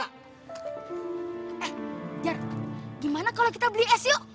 eh jar gimana kalau kita beli es yuk